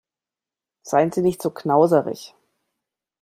Seien Sie nicht so knauserig!